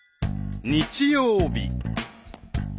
［日曜日］